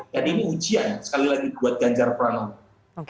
jadi ini ujian sekali lagi buat ganjar pranowo